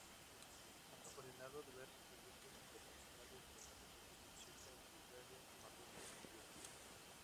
Ha coordinado diversos proyectos internacionales en la República Checa, Bulgaria, Marruecos y Hungría.